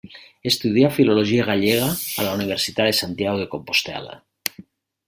Estudià Filologia Gallega a la Universitat de Santiago de Compostel·la.